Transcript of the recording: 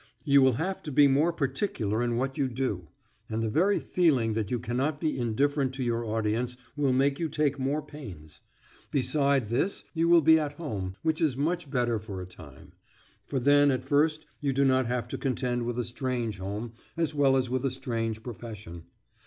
You will have to be more particular in what you do, and the very feeling that you cannot be indifferent to your audience will make you take more pains. Beside this, you will be at home, which is much better for a time; for then at first you do not have to contend with a strange home as well as with a strange profession.